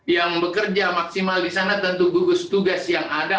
yang bekerja maksimal di sana tentu gugus tugas yang ada